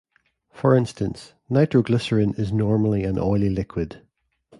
For instance, nitroglycerin is normally an oily liquid.